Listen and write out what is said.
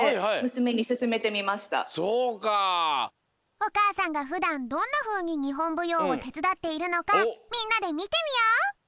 おかあさんがふだんどんなふうににほんぶようをてつだっているのかみんなでみてみよう！